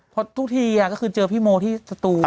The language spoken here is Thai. เพราะทุกทีก็คือเจอพี่โมที่สตู